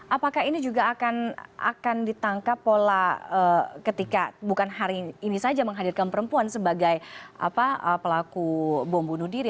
apakah ini juga akan ditangkap pola ketika bukan hari ini saja menghadirkan perempuan sebagai pelaku bom bunuh diri